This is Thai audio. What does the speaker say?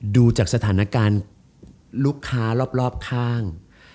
ดูจากสถานการณ์ลูกค้ารอบข้าง